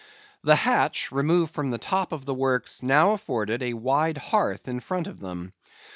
The hatch, removed from the top of the works, now afforded a wide hearth in front of them.